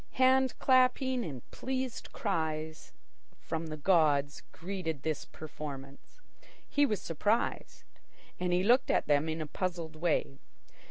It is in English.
Hand clapping and pleased cries from the gods greeted the performance. He was surprised, and looked at them in a puzzled way.